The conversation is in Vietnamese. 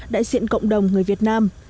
đại diện cộng đồng người việt nam